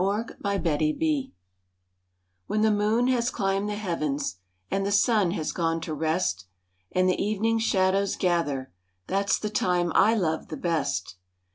*MOONLIGHT* When the moon has climbed the heavens, And the sun has gone to rest, And the evening shadows gather, That's the time I love the best.